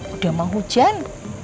udah mau hujan